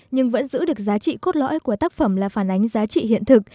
nhưng vẫn giữ được giá trị cốt lõi của tác phẩm là phản ánh giá trị hiện thực